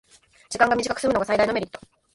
時間が短くすむのが最大のメリット